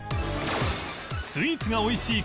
スイーツがおいしい